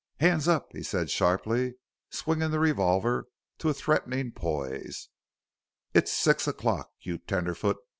"'Nds up!" he said sharply, swinging the revolver to a threatening poise. "It's six o'clock, you tenderfoot